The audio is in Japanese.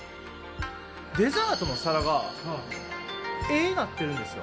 デザートの皿が絵になってるんですよ。